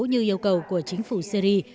như yêu cầu của chính phủ syri